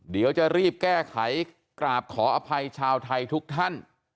เดี๋ยวจะรีบแก้ไขกราบขออภัยชาวไทยทุกท่าน